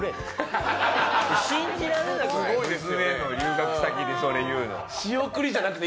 娘の留学先でそれ言うの。